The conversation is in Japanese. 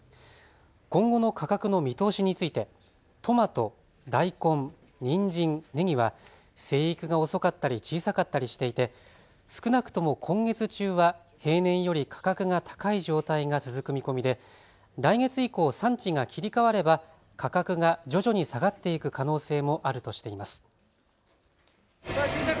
今後の価格の見通しについてトマト、大根、にんじん、ねぎは生育が遅かったり小さかったりしていて少なくとも今月中は平年より価格が高い状態が続く見込みで来月以降、産地が切り替われば価格が徐々に下がっていく可能性もあるとしています。